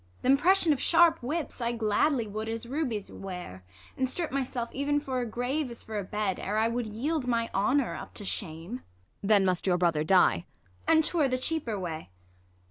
Th' impression of sharp whips I gladly would As rubies wear, and strip myself Even for a grave, as for a bed, ere I Would yield my honour up to shame, Ang. Then must your brother die. 148 THE LAW AGAINST LOVERS. Is A. And 'twere the cheaper Avay.